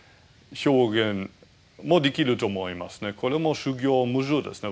これも諸行無常ですね。